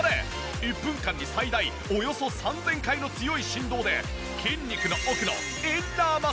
１分間に最大およそ３０００回の強い振動で筋肉の奥のインナーマッスルを刺激。